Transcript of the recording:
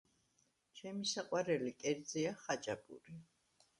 ჩემი საყვარელი კერძია ხაჭაპური